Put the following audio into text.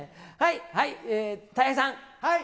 たい平さん。